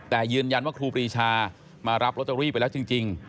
แต่ยืนยันว่าครูปรีชามารับลอตเตอรี่ไปแล้วจริง